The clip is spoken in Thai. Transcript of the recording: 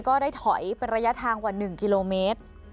ก็ได้ถอยเป็นระยะทางกว่า๑กิโลเมตร